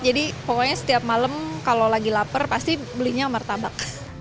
jadi pokoknya setiap malam kalau lagi lapar pasti belinya martabak